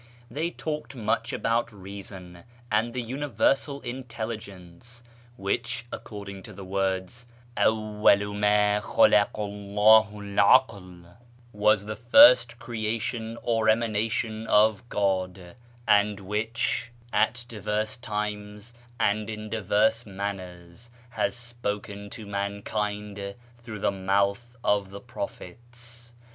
They talked much about Eeason, and the Universal Intelligence, which, according to the words "Atmvalu md khalaka 'lldhu 'I AM" was the first Creation or Emanation of God, and which, at diverse KIRMAn society 451 times and iu diverse manners, has spoken to mankind through the mouth of the prophets.